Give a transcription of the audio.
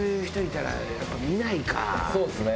そうですね。